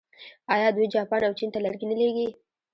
آیا دوی جاپان او چین ته لرګي نه لیږي؟